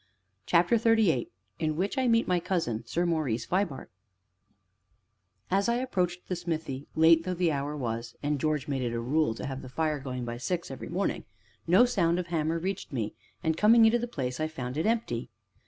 CHAPTER XXXVIII IN WHICH I MEET MY COUSIN, SIR MAURICE VIBART As I approached the smithy, late though the hour was (and George made it a rule to have the fire going by six every morning), no sound of hammer reached me, and coming into the place, I found it empty.